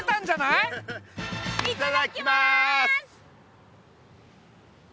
いただきます！